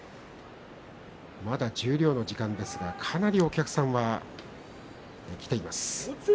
まだ十両の時間ですが、かなりのお客さんが来ています。